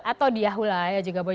atau di yahoo lah ya juga boleh